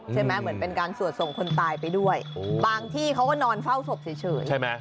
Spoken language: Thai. ใช่ไหมเหมือนเป็นการส่งคนตายไปด้วยโอ้บางที่เขาก็นอนเฝ้าศพเฉยเฉยใช่ไหม